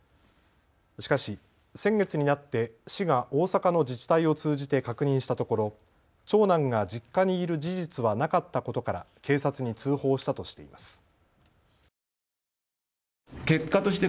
しかし、先月になって市が大阪の自治体を通じて確認したところ長男が実家にいる事実はなかったことから警察に通報したとしています。